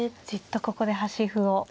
じっとここで端歩を。